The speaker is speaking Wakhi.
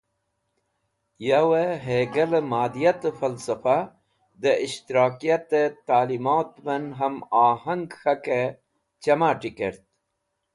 Yawey Hegel e Madiyate Falsafa de Ishtirakiyate Ta’limotven Ham Aahang k̃hake Chamati kert.